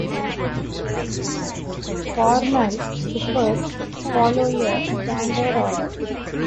Formal suppers follow a standard order.